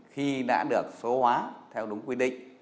khi đã được số hóa theo đúng quy định